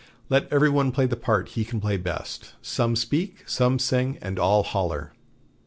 Let every one play the part he can play best, some speak, some sing, and all 'holler.'